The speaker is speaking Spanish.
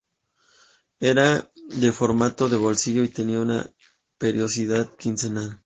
Era de formato de bolsillo y tenía una periodicidad quincenal.